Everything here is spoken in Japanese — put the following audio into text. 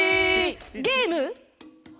ゲーム。